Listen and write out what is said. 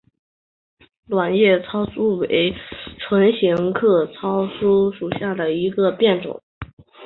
卵叶糙苏为唇形科糙苏属下的一个变种。